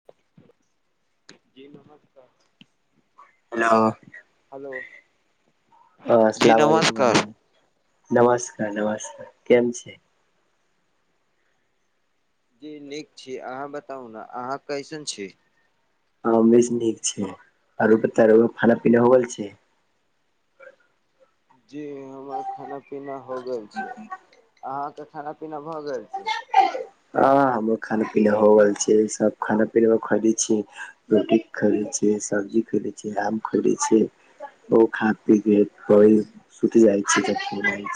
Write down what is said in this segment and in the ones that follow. [unintelligible] जी नमस्कार। Hello. Hello. ह जी सलाम वालेकुम भाइ नमस्कार जान नमस्कार नमस्कार केहन छी। जी नीक छीये अहाँ बताउ ने अहाँ कैसन छी। [unintelligible] खाना पीना होअल छैय। जी हमर खाना पीना हो गेल छैय। अहाँके खाना पीना भऽ गेल छैय। हाँ हमरो खाना पीना हो गेल छैय, सब खाना पीना मे खोदी छी। रोटी खैले छियै, सब्जी खैले छियै, आम खैले छियै। ओ खा पी गेल औ इ सुति जाइ [unintelligible]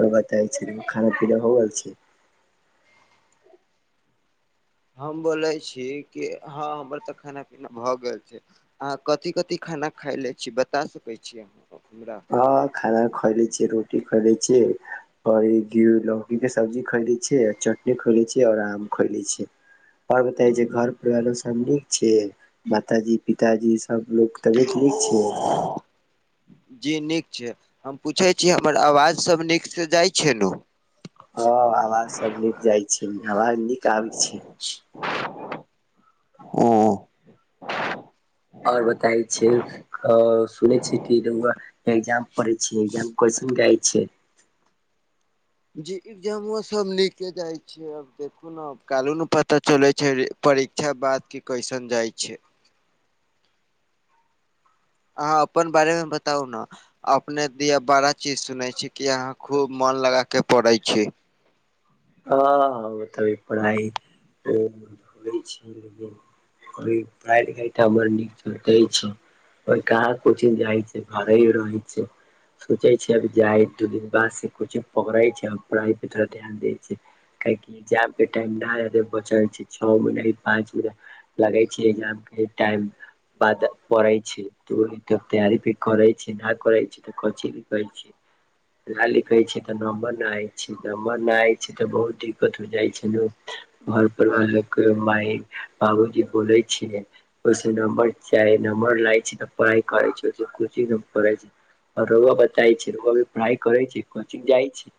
और बताई छी खाना पीना हो गेल छैय। हम बोले छी कि हँ हमर त खाना पीना भए गेल छैय। अहाँ कथी कथि खाना खाय ले छी बता सकै छी हमरा। हाँ खाना खएले छियै रोटी खैले छियै। घी लौकी के सब्जी खएले छियै, चटनी खएले छियै और आम खएले छियै। ओर बताई जे घर परिवारो लोग सब नीक छैय, माताजी पिताजी सब लोग तबियत नीक छैय। जी नीक छैय, हम पूछै छी हमर आवाज सब नीकसँ जाइ छैय नऽ। हँ आवाज सब नीक जाइ छैय, आवाज नीक आबै छैय। [unintelligible] और बताई छी। अ सुने छी कि रौआ एग्जाम पढ़ै छिए, एग्जाम केसन जाये छैय। जी एग्जामो सब नीके जाय छैय, अब देखु। सुनब कालो ने पता चले छैय परीक्षा बाद की कैसन जाइ छैय। अहाँ अपन बारे मे बताउ ना। अपने दिया बड़ा चीज सुनै छी कि आहा खूब मन लगा के पढ़े छी। हँ ओ त अभी पढ़ाई लै छी। अभी पड़ाई लिखाई तऽ हमर नीक चलते छैय। ओ कहा कोचिंग जाए छैय, घरे ही रहै छैय। सोचै छीये अब जाये दू दिन बाद से कोचिंग पकड़ै छैय पढ़ाइ पे थोड़ा ध्यान दे। काहि एग्जाम के टाइम नहि बचल छैय, छह महिना पाँच महिना लगै छैय एगजाम के टाइम बाद परे छैय तोह तैयारी भी करै छी न करै छी। की ल कहै छै कहै छै तऽ नम नम [inaudible] तऽ बहुत दिक्कत हो जाइ छैय, लोक घर पर आन लकै माई बाबूजी बोलय छीये। ओस नमबर चाह नमबर लागै छैय, पढ़ाइ करै छैय, कोचंग पढ़ै छैय। रोआ बताई छी रोआ पढ़ाइ करै छी, कोचिंग जाइ छी।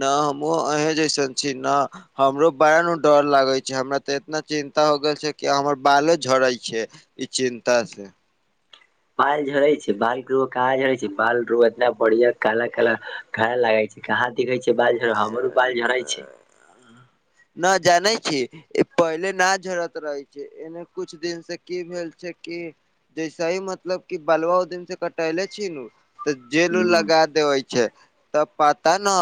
ना हमहुँ अहें जैसन छी ना। हमरो बड़ा नऽ डर लागे छैय, हमरा ते इतना चिन्ता हो गेल छैय कि हमर बालो झड़ै छैय। ई चिन्ता से बाल झड़े छैय, बाल के रो कहां झड़े छैय, बाल रोग एतना बढ़िया काला काला खाय लागे छैय। कहाँ दिखै छैय, बाल झर हमरो बाल झड़ै छैय। न जानै छीय पहिले न झड़त रहै छैय। एने कुछ दिन से की भेल छैय कि जैसे ही मतलब की बलुवा उ दीन से कटले छी नू तऽ जेल उ लगा ह देवै छैय तब पता ने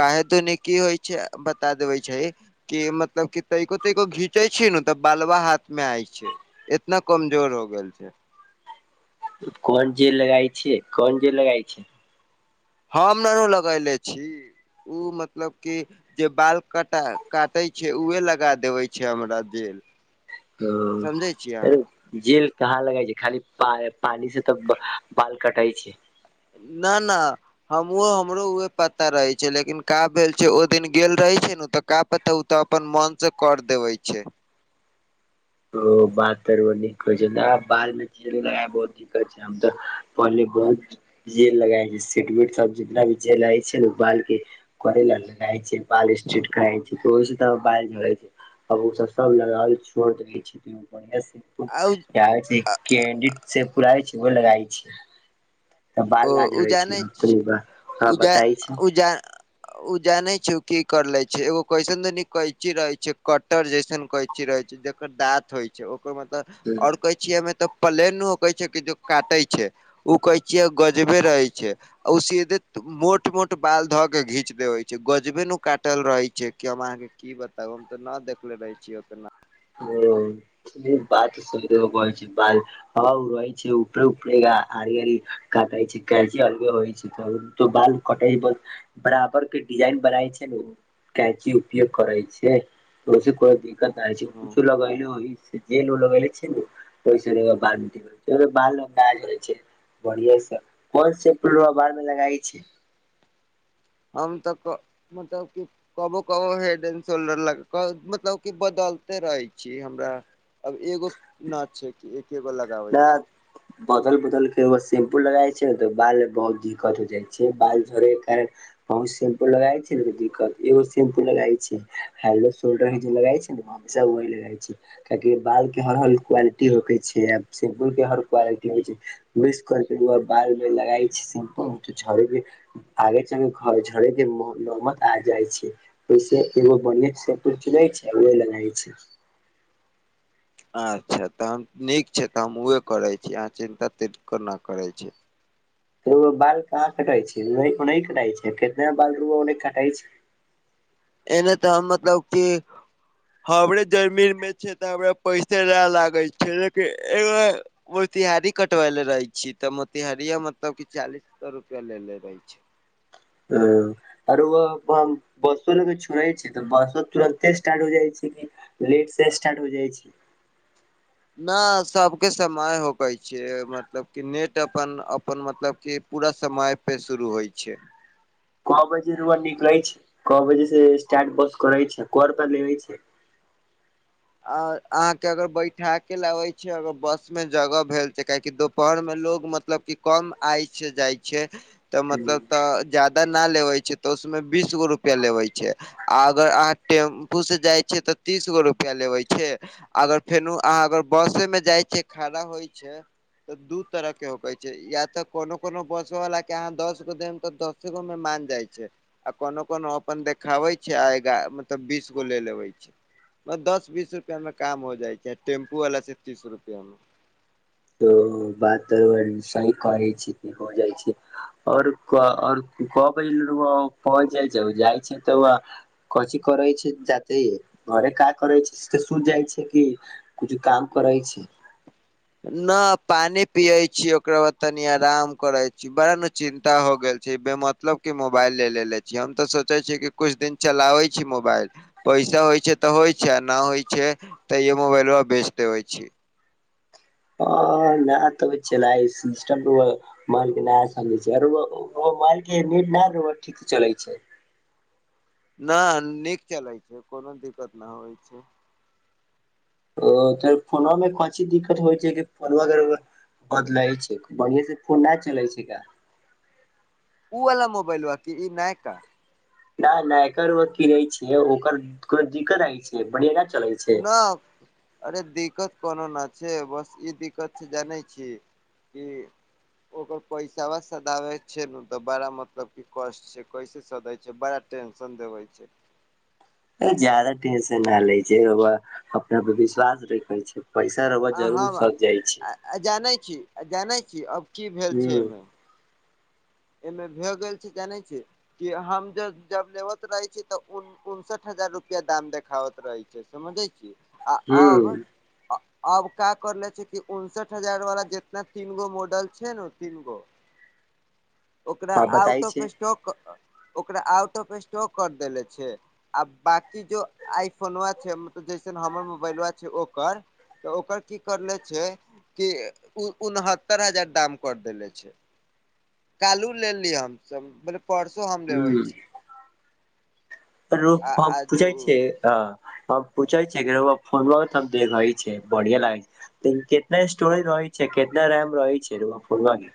काहे दुनि की होइ छैय बता देबे छैय। की मतलब की तैको तैको घींचे छी ने तऽ बालुवा हाथ में आय छैय। इतना कमजोर हो गेल छैय। कोन जेल लगई छिये, कोन जेल लगाय छिये। हम नै न लगले छी ओ मतलब की जे बाल कटा काटे छैय उहे लगा देवे छैय हमरा जेल। ह समझै छियै हेरो अहाँ जेल कहाँ लगइ छैय, खाली पाय पानी से तऽ बाल कटाय छैय। न न हमूहो हमरो उहे पता रहै छैय लेकिन का भेल छैय ओ दिन गेल रहे छैय ने तऽ का पता ओ तऽ अपन मन से कर देवे छैय। ओ बात करैमे नीक होइ छैय ने बालमे ची लगाक बहुत [unintelligible] जेल लगाइ छैय, सेट वेट सब जितना भी जेल लगाइ छैय ने बाल के करे ल लगाइ छैय। बाल स्ट्रेट कराइ छैय ओहि से त बाल झड़ै छैय ओ सब सब लगाइ छोड़ देल आ प्यार से केंडिट सेम्पु आबै छैय ओ लगाई छैय। ओ उजानै छी छै हँ उजा बताइ उजा ओ जानै छी ओ की करलै छैय एगो कैसन दुनी कैची रहै छैय, कटर जैसन कै ची रहै छैय जकर दाँत होइ छैय ओकर मतलब छै और कैंचिया मे तऽ प्लेन होकेे छैय कि जो काटै छैय उ कैंचिया गजबे रहै छैय। ओ सीधे मोट मोट बाल ध के घींच देबै छैय गजबे नू काटल रहै छैय कि हम अहाँके की बताबू हम तऽ न देखले रहे छीयै ओतना। ओ सुदीर बाल सुधरैके कहय छी बाल हव उ रहै छै उपरे उपरे आड़ आरी काटइ छैयकैची अलगे होइ छैय तऽ। त बाल कटैब बराबर के डिजाइन बनाय छैय ने उ कैची उपयोग करै छैय ओसे कोनो दिक्कत ना होइ छैय कछु लगैले ओहि जेल उल लगैले छी नू ओइ से बाल गिरौ ओ बाल लम्बाए होइ छैय। बढ़िए स कोन शैम्पूलवा बालमे लगाई छी। हम त क मतलब की कबो कबो हेड एंड शोल्डर लगबग मतलब कि बदलते रहै छी हमरा। अब एगो ना छैय कि एके गो लगाबै ना छी। बदल बदल के एगो शैम्पूल लगाइ छैय ने त बाल मे बहुत दिक्कत हो जाइ छैय बाल झड़ै के कारण बहु सेैंपू लगाइ छैय न त दिक्कत एगो शैंपू लगाइ छी हेड एंड शोल्डर ही लगाइ छी ने सब वही लगाइ छी किएकि बाल के हर हल क्वालिटी होके छैय अब। शैंपू के हर क्वालिटी होइ छैय। मिस करके ल बाल मे लगाइ छैय शैंपू त झड़ भी आगे चग घर झरेके नमत आ जाइ छैय। ओइसे एगो बड़ नीक शैंपू चुनय छिअइ उहे लगाइ छी। अच्छा तऽ हम नीक छैय तऽ हम उहे करै छी अहाँ चिन्ता तनिको ने करै छी। रौ बाल कहाँ कटाई छै, कटाइ छै नै के नै कटाइ छै कितना बाल रु कटाइ छै। एने त हम मतलब कि हमरे जमीन में छै त हमरा पैसे ना लागै छै लेकिन एगो मोतिहारी कटबेले रहे छिअइ त मोतिहारिये मतलब कि चालीस गो रुपआ लेे रहे छी। हं। आ ओरो ओ बसो लग छुअइ छै त बसो तुरते स्टार्ट हो जाइ छै की लेट से स्टार्ट हो जाइ छै। न सबके समान होबै छै मतलब कि नेट अपन अपन मतलब कि पूरा समय पे शुरू होइ छै। क बजे रौआ निकलै छै क बजे से स्टार्ट बस करै छै क रुपया लेबै छै। आ अहाँ के अगर बैठा के लबै छी अगर बस में जगह भेल छै काहे कि दोपहर मे लोग मत मतलब कि कम आइ छै जाइ छै त मतलब त जादा ना लेबै छै त उसमे बीस गो रुपआ लेबै छै। आ अगर अहाँ टेम्पू से जाइ छियै त तीस गो रु पया लेवे छै अगर फेनू अहाँ अगर बसे में जाइ छिअइ खड़ा होइ छै त दू तरह के होके छै या ऽ कोनो कोनो बसो वला के अहाँ दस गो देब त दस इहोमे मान जाइ छै। आ कोनो कोनो अपन देखाबे छै आएगा मतलब बीस गो ले लेबै छै। दस बीस रुपआ में काम हो जाइ छै टैम्पू वला से तीस रुपआ में। तो बात त सही करै छी कि हो जाइ छै। ू और क और क बजे रौआ पहुंच जाइ छै, कथि करै छै जाके इ घरे का करै छै सीधे सुत जाइ छै की कुछ काम करै छै। न पानि पियै छी ओकरा बाद तनी आराम करै छी। बड़ा ने चिन्ता हो गेल छै, बेमतलब कै मोबाइल ले लेने छियै, हम त सोचै छी कि कुछु दिन चलाबै छी मोबाइल पैसा होइ छै त होइ छै आ नहि होइ छै त इ मोबाइलबा बेच देबै छी। आ नहि त चलिइ सिस्टम के मोबाइल के नै छै मोबाइल के बैच न लें ठीक चलै छै। ना नीक चलै छै, कोनो दिकत नै होइ छै। ओ त फोनो मे कोन चीज दिकत होइ छै कि फोनो अगर बदलै छै बढ़ियां से फोन न चलै छै का उ वला मोबैल आकी ई नयका। न न एकर किने छियै ओकर को दिकत होई छै बढ़िया न चले छै। ना। अरे दिक्कत कोनो ना छै बस ई दिक्कत छै जानै छी कि ओकर पैसा सदाबे छै ने बड़ा मतलब कि कष्ठ कैसे स दै छै बड़ा टेंशन देवै छै। जादा टेंशन न लै छै अपना पर विश्वास रखै छै। पैसा रहब आ जरूर हम छै, जाइ छी। आ जानै छी जानै छी अब की भेल छै हूं ऐमे? एमे भए गेल छै जानै छै कि हम ज जब लेबत रहे छी तब उन उनसठ हजार रुपआ दाम देखाबैत रहै छै समझै छी आ हूं अब अब का करले छै कि उनसठ हजार वाला जितना तीन गो मॉडल छै ने तीन गो ओकरा आ आउट बताय ऑफ छै स्टॉक ओकरा आउट ऑफ स्टॉक कर देले छै। आ बाकी जे आइ फोन छै मतलब जैसन हमर मोबाइल छै ओकर त ओकर की करले छै कि उनहत्तर हजार दाम कर देेले छै। कलहू ले ली हम मतलब परसो हम लेबे हूं छी। आ पूछै आजू छियै। ह हम पूछे छै फोन देखे छै बढ़िया लागे छै। त केतना स्टोरेज रहै छै केतना रेम रहै छै र फोनबा मे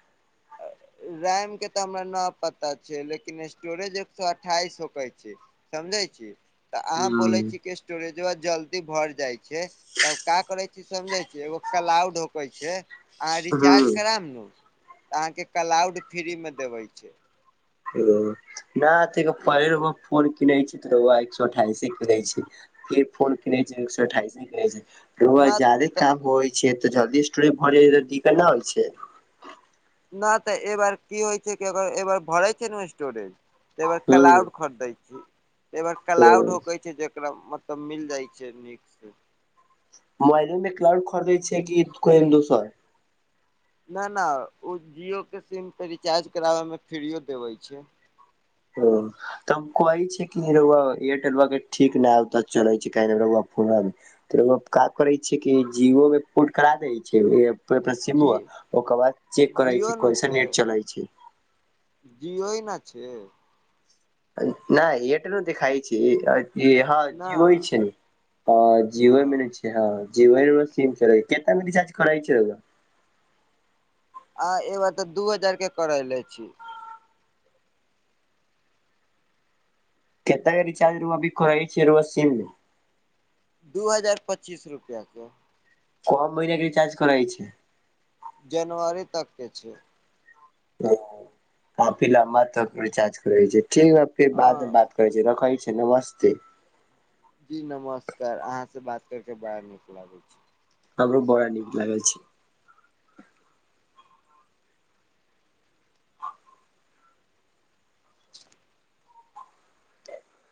रैम के त हमरा न पता छै लेकिन स्टोरेज एक सए अठाईस हो के छै। समझै छी। त अहाँ हूं बोले छी कि स्टोरेजवा जल्दी भर जाय छै तब का करे छियै। समझै छियै ओ कलाउड होबे छै, अहां रिचार्ज हूं करायब नु अहांके क्लाउड फ्री मे देबै छै। नै हेतै त पहिले हम फोन किनै छी। त रौआ एक सए अठाइस किनै छै फे फल किनै छै एक सए अठाइस कै छै ओ न जादे तऽ काम होइ छै त जल्दी स्टोरेज भरै के दिकत ना होइ छै? नहि त ऐबेर की होइ छै ऐबेर भरै छै ने स्टोरेज त हूं क्लाउड खरीदै छी, ओ क्लाउड होके छै जेकरा मत त मिल जाय छै नीक से। मोबाइलो मे क्लाउड खरीदै छै कि कोनो दोसर ना ना ओ जिओ के सिम रिचार्ज कराबे मे फ्रियो मे देबै छै। हां। तब हम कहै छै कि एयरटेल वा के ठीक नहि त चले छै फोनबा त का करै छैियै कि जिओ पोर्ट करा दै छै ओकर सिम जी ओकर बाद चेेक करै जियो छै कोइसन नेट चलै छै। जिओ ने छै। न एकरो देखाइ छी हँ न जिओ छै ने त हँ जिओ मने छै। हँ जिओ के सिम छै कते के रिचार्ज करइ छै। आ ऐ बार त दू हजार के करेले छी। केते के रिचार्ज रोआ अभी करै छीय रोआ सीम मे दू हजार पच्चीस रुपआ के। के महिना के रिचार्ज करै छै? जनवरी तकके छै। त काफी लंबा तक रिचार्ज करै छै। ठीक है त हँ बाद मे बात करै छै, रखै छै, नमस्ते। जी नमस्कार, अहाँ से बात कर के बड़ा नीक लागल। हमरो बड़ा नीक लागै छै।